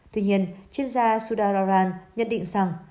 tuy nhiên chuyên gia sudha rarang nhận định rằng